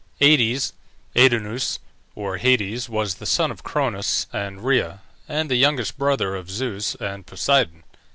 Aïdes, Aïdoneus, or Hades, was the son of Cronus and Rhea, and the youngest brother of Zeus and Poseidon.